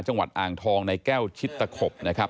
จังหวัดอ่างทองในแก้วชิดตะขบนะครับ